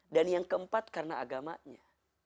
dan yang keempat karena agamanya